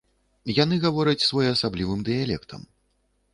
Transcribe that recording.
Яны гавораць своеасаблівым дыялектам.